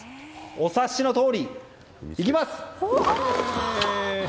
お察しのとおり、いきます！